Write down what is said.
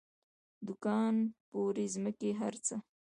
دوکان بوړۍ ځمکې هر څه.